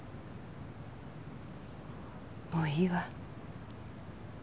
もういいわ。